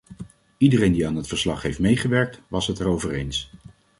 Iedereen die aan het verslag heeft meegewerkt, was het erover eens.